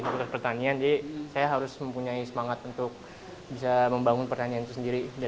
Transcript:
untuk pertanian jadi saya harus mempunyai semangat untuk bisa membangun pertanian itu sendiri